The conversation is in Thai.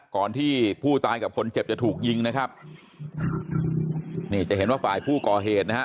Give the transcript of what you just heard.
ก่อนที่ผู้ตายกับคนเจ็บจะถูกยิงนะครับนี่จะเห็นว่าฝ่ายผู้ก่อเหตุนะฮะ